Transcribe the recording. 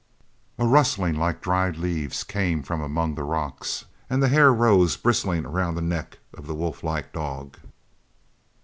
A rustling like dried leaves came from among the rocks and the hair rose bristling around the neck of the wolflike dog.